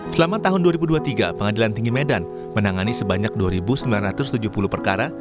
selama tahun dua ribu dua puluh tiga pengadilan tinggi medan menangani sebanyak dua sembilan ratus tujuh puluh perkara